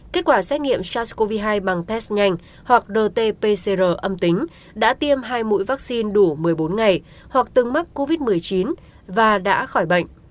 kết quả xét nghiệm sars cov hai bằng test nhanh hoặc rt pcr âm tính đã tiêm hai mũi vaccine đủ một mươi bốn ngày hoặc từng mắc covid một mươi chín và đã khỏi bệnh